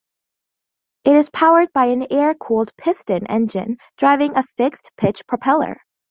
It is powered by an air-cooled piston engine driving a fixed-pitch propeller.